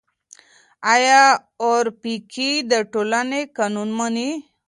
آيا اورپکي د ټولنې قانون مني؟